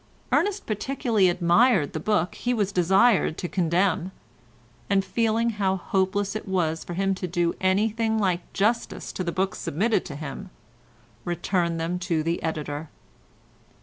Ernest particularly admired the book he was desired to condemn, and feeling how hopeless it was for him to do anything like justice to the books submitted to him, returned them to the editor.